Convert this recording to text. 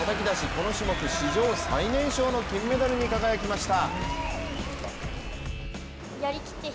この種目史上最年少の金メダルに輝きました。